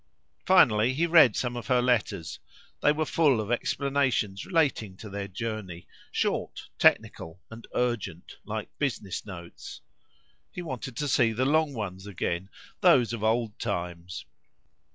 Finally, he read some of her letters; they were full of explanations relating to their journey, short, technical, and urgent, like business notes. He wanted to see the long ones again, those of old times.